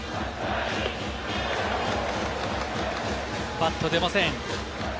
バット出ません。